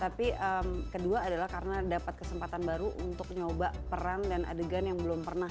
tapi kedua adalah karena dapat kesempatan baru untuk nyoba peran dan adegan yang belum pernah